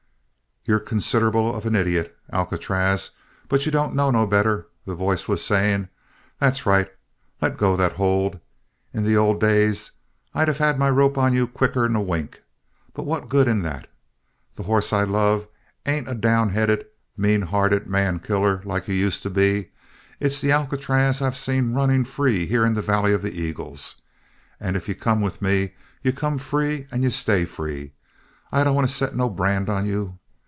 "You're considerable of an idiot, Alcatraz, but you don't know no better," the voice was saying. "That's right, let go that hold. In the old days I'd of had my rope on you quicker'n a wink. But what good in that? The hoss I love ain't a down headed, mean hearted man killer like you used to be; it's the Alcatraz that I've seen running free here in the Valley of the Eagles. And if you come with me, you come free and you stay free. I don't want to set no brand on you.